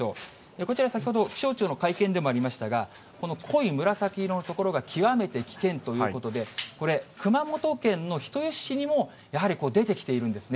こちら先ほど、気象庁の会見でもありましたが、この濃い紫色の所が極めて危険ということで、これ、熊本県の人吉市にもやはり出てきているんですね。